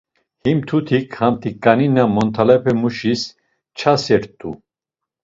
Him mtutik ham t̆iǩanina montalepemuşis çasert̆u.